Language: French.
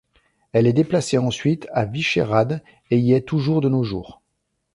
Elle est déplacée ensuite à Vysehrad et y est toujours de nos jours.